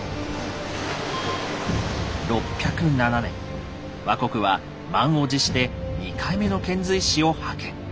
６０７年倭国は満を持して２回目の遣隋使を派遣。